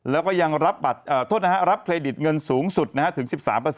แล้วก็ยังรับเครดิตเงินสูงสุดนะฮะถึง๑๓